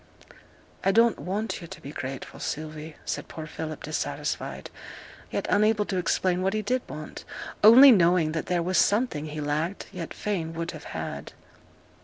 'I don't want yo' to be grateful, Sylvie,' said poor Philip, dissatisfied, yet unable to explain what he did want; only knowing that there was something he lacked, yet fain would have had.